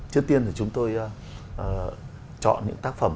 trước tiên thì chúng tôi chọn những tác phẩm